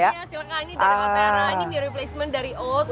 ya silahkan ini dari otera ini mereplacement dari oud